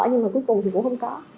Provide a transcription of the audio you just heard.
nhưng mà cuối cùng thì cũng không có